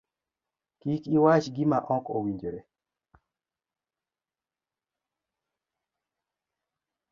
Kik iwach gima okowinjore